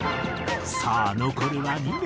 さあ残るは２名。